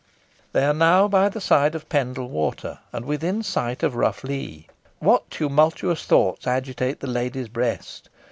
They are now by the side of Pendle Water, and within sight of Rough Lee. What tumultuous thoughts agitate the lady's breast!